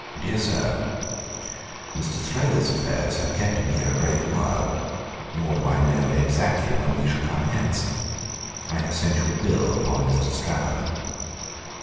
'DEAR SIR, 'Mr. Thrale's affairs have kept him here a great while, nor do I know exactly when we shall come hence. I have sent you a bill upon Mr. Strahan.